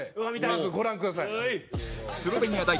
まずご覧ください。